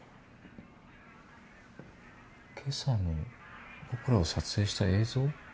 今朝の僕らを撮影した映像？